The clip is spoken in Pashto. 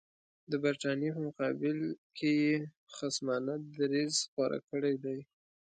د برټانیې په مقابل کې یې خصمانه دریځ غوره کړی دی.